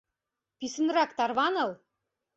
Писынрак тарваныл!